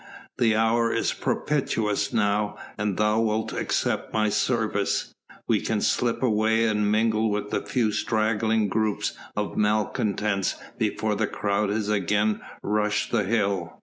The hour is propitious now, an thou wilt accept my service, we can slip away and mingle with the few straggling groups of malcontents before the crowd has again rushed the hill.